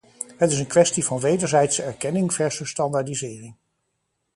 Het is een kwestie van wederzijdse erkenning versus standaardisering.